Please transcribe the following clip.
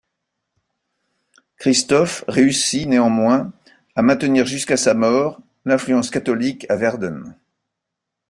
Christophe réussit néanmoins à maintenir jusqu'à sa mort l'influence catholique à Verden.